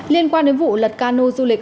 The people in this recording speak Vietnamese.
liên quan đến vụ lật cano du lịch